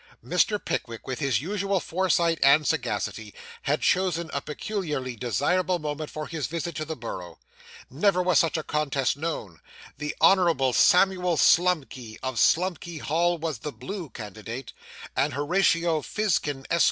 Mr. Pickwick, with his usual foresight and sagacity, had chosen a peculiarly desirable moment for his visit to the borough. Never was such a contest known. The Honourable Samuel Slumkey, of Slumkey Hall, was the Blue candidate; and Horatio Fizkin, Esq.